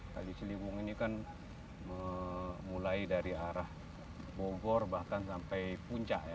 kali ciliwung ini kan mulai dari arah bogor bahkan sampai puncak ya